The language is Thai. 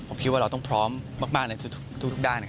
ผมคิดว่าเราต้องพร้อมมากในทุกด้าน